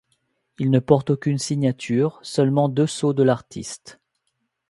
Il ne porte aucune signature, seulement deux sceaux de l'artiste.